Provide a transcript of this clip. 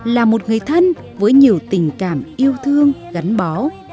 là một người thân với nhiều tình cảm yêu thương gắn bó